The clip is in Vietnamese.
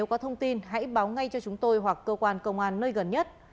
nếu có thông tin hãy báo ngay cho chúng tôi hoặc cơ quan công an nơi gần nhất